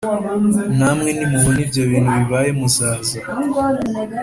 namwe nimubona ibyo bintu bibaye muzaza